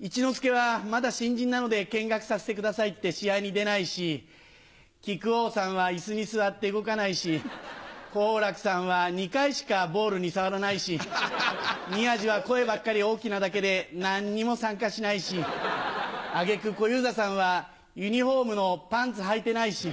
一之輔はまだ新人なので、見学させてくださいって、試合に出ないし、木久扇さんはいすに座って動かないし、好楽さんは２回しかボールに触らないし、宮治は声ばっかり大きなだけで、なんにも参加しないし、あげく、小遊三さんはユニホームのパンツはいてないし。